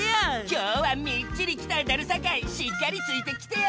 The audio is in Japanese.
きょうはみっちりきたえたるさかいしっかりついてきてや！